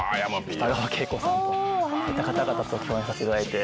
北川景子さんといった方々と共演させていただいて。